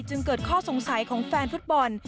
จึงเกิดข้อสงสัยของแฟนฟุตบอล